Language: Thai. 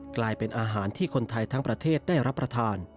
กลายเป็นอาหารที่คนไทยทั้งประเทศได้รับประทาน